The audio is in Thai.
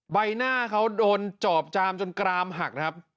ใบหน้าเขาโดนจอบจามจนกรามหักครับ